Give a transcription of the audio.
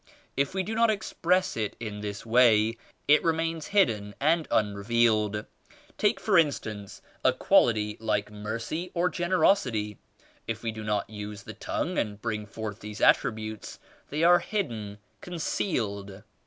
If we do not express it in this way, it remains hidden and unrevealed. Take for in stance a quality like mercy or generosity. If we do not use the tongue and bring forth these attributes, they are hidden, concealed.